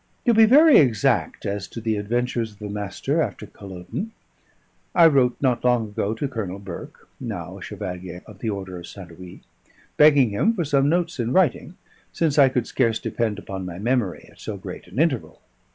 To be very exact as to the adventures of the Master after Culloden, I wrote not long ago to Colonel Burke, now a Chevalier of the Order of St. Louis, begging him for some notes in writing, since I could scarce depend upon my memory at so great an interval.